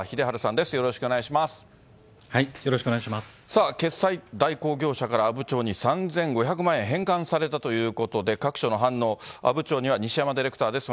さあ、決済代行業者から阿武町に３５００万円返還されたということで、各所の反応、阿武町には西山ディレクターです。